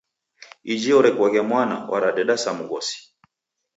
Iji orekoghe mwana, waradeda sa mghosi!